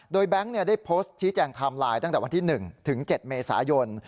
โดยแบงค์ได้โพสต์ชี้แจงไทม์ไลน์ตั้งแต่วันที่๑ถึง๗เมษายน